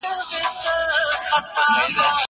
زه اوږده وخت د لوبو لپاره وخت نيسم وم!!